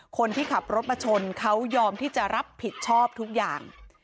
คนที่ขับรถมาชนเขายอมที่จะรับผิดชอบทุกอย่าง